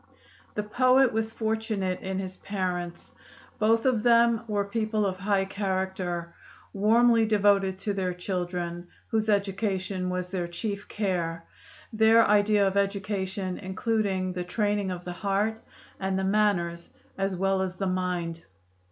The poet was fortunate in his parents: both of them were people of high character, warmly devoted to their children, whose education was their chief care, their idea of education including the training of the heart and the manners as well as the mind.